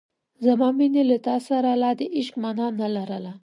زما مینې له تا سره لا د عشق مانا نه لرله.